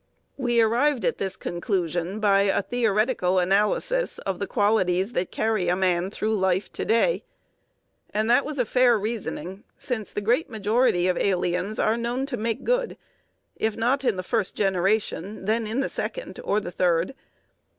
We arrived at this conclusion by a theoretical analysis of the qualities that carry a man through life to day; and that was fair reasoning, since the great majority of aliens are known to make good, if not in the first generation, then in the second or the third.